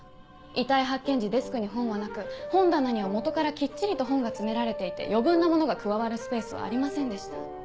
遺体発見時デスクに本はなく本棚には元からキッチリと本が詰められていて余分なものが加わるスペースはありませんでした。